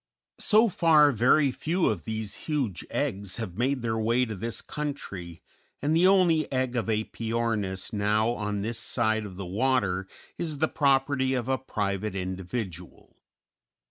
So far very few of these huge eggs have made their way to this country, and the only egg of Æpyornis now on this side of the water is the property of a private individual.